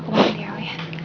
aku pamit dia dulu ya